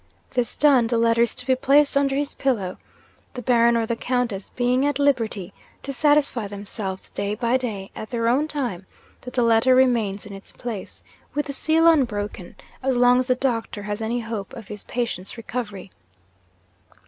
This done, the letter is to be placed under his pillow; the Baron or the Countess being at liberty to satisfy themselves, day by day, at their own time, that the letter remains in its place, with the seal unbroken, as long as the doctor has any hope of his patient's recovery.